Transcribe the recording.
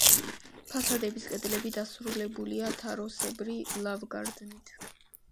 ფასადების კედლები დასრულებულია თაროსებრი ლავგარდნით.